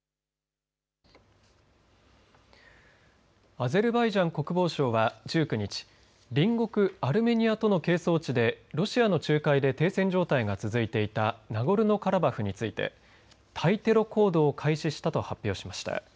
アゼルバイジャン国防省は１９日隣国アルメニアとの係争地でロシアの仲介で停戦状態が続いていたナゴルノカラバフについて対テロ行動を開始したと発表しました。